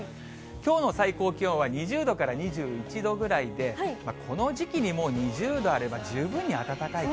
きょうの最高気温は２０度から２１度ぐらいで、この時期にもう２０度あれば十分に暖かい。